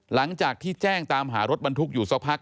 หลังจากที่แจ้งตามหารถบรรทุกอยู่สักพัก